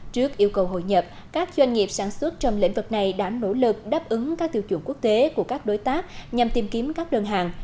trước yêu cầu hội nhập các doanh nghiệp sản xuất trong lĩnh vực này đã nỗ lực đáp ứng các tiêu chuẩn quốc tế của các đối tác nhằm tìm kiếm các đơn hàng